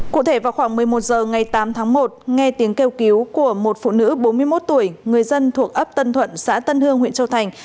cụ thể vào khoảng một mươi một h ngày tám tháng một nghe tiếng kêu cứu của một phụ nữ bốn mươi một tuổi người dân thuộc ấp tân thuận xã tân hương huyện châu thành